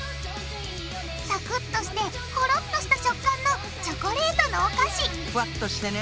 サクッとしてホロッとした食感のチョコレートのお菓子ふわっとしてね。